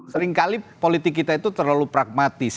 seringkali politik kita itu terlalu pragmatis